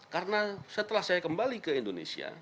karena setelah saya kembali ke indonesia